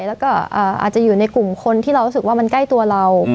แล้วก็อาจจะอยู่ในกลุ่มคนที่เรารู้สึกว่ามันใกล้ตัวเรา